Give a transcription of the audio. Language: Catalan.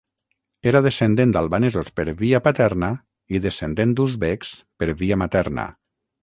Era descendent d'albanesos per via paterna i descendent d'uzbeks per via materna.